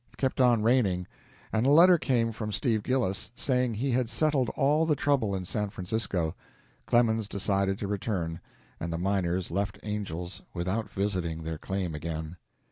It kept on raining, and a letter came from Steve Gillis, saying he had settled all the trouble in San Francisco. Clemens decided to return, and the miners left Angel's without visiting their claim again.